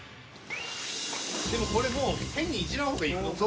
でもこれもう変にいじらん方がいいよね。